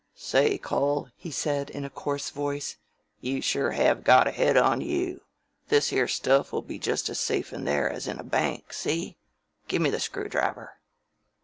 "Say, cul," he said in a coarse voice, "you sure have got a head on you. This here stuff will be just as safe in there as in a bank, see? Gimme the screw driver."